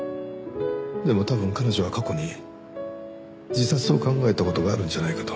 でも多分彼女は過去に自殺を考えた事があるんじゃないかと。